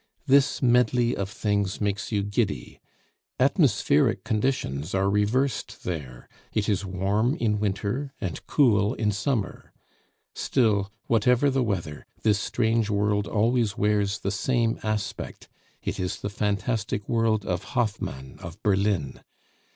This medley of things makes you giddy. Atmospheric conditions are reversed there it is warm in winter and cool in summer. Still, whatever the weather, this strange world always wears the same aspect; it is the fantastic world of Hoffmann of Berlin.